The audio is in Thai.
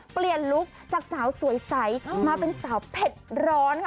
ลุคจากสาวสวยใสมาเป็นสาวเผ็ดร้อนค่ะ